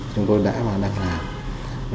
chúng tôi đã và đang làm